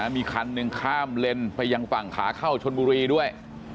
มีคันหนึ่งข้ามเลนไปยังฝั่งขาเข้าชนบุรีด้วย